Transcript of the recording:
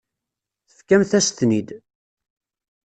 Tefkamt-as-ten-id.